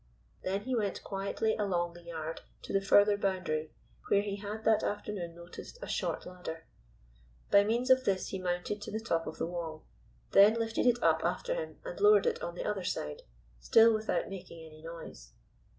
Then he went quietly along the yard to the further boundary, where he had that afternoon noticed a short ladder. By means of this he mounted to the top of the wall, then lifted it up after him and lowered it on the other side, still without making any noise.